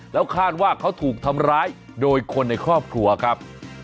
แล้วคาดว่าเขาถูกทำร้ายโดยคนในครอบครัวครับ